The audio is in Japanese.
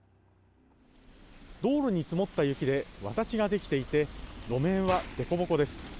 道路に積もった雪でわだちができていて路面はでこぼこです。